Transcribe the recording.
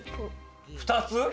２つ？